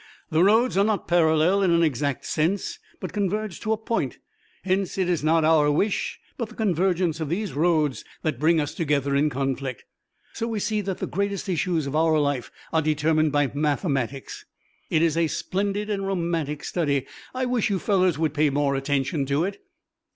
The roads are not parallel in an exact sense but converge to a point. Hence, it is not our wish, but the convergence of these roads that brings us together in conflict. So we see that the greatest issues of our life are determined by mathematics. It's a splendid and romantic study. I wish you fellows would pay more attention to it."